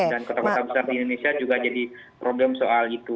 dan kota kota besar di indonesia juga jadi problem soal itu